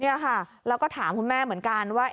นี่ค่ะแล้วก็ถามคุณแม่เหมือนกันว่า